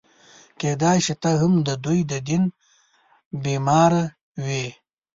کېدای شي ته هم د دوی د دیدن بیماره وې.